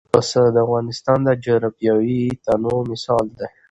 پسه د افغانستان د جغرافیوي تنوع مثال دی.